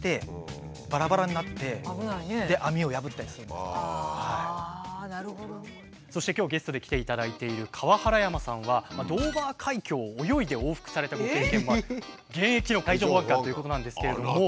でもそれがそして今日ゲストで来ていただいている川原山さんはドーバー海峡を泳いで往復されたご経験もある現役の海上保安官ということなんですけれども。